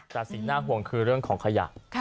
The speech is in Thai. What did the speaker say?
แต่สิ่งน่าห่วงคือเรื่องของขยะ